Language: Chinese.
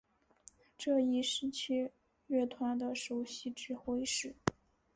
这一时期乐团的首席指挥是。